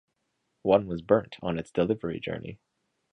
One was burnt on its delivery journey.